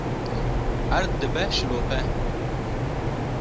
erd dibe şilope